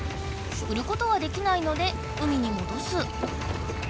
売ることはできないので海にもどす。